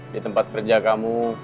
di tempat kerja kamu